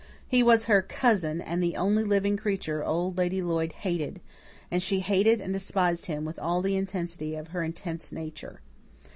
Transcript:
He was her cousin and the only living creature Old Lady Lloyd hated, and she hated and despised him with all the intensity of her intense nature.